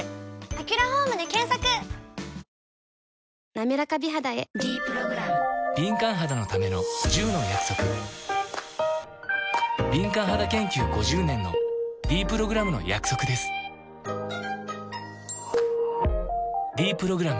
なめらか美肌へ「ｄプログラム」敏感肌研究５０年のｄプログラムの約束です「ｄプログラム」